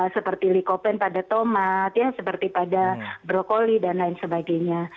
seperti likopen pada tomat seperti pada brokoli dan lain sebagainya